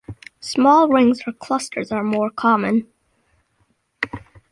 Small rings or clusters are more common.